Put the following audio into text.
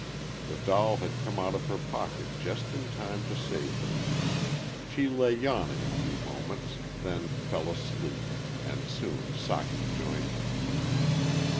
The doll had come out of her pocket just in time to save her. She lay yawning a few moments, then fell asleep, and soon Socky joined her.